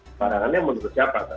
sembarangannya menurut siapa pak